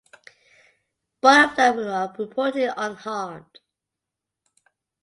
Both of them are reportedly unharmed.